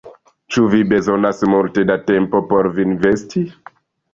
Ĉu vi bezonas multe da tempo por vin vesti?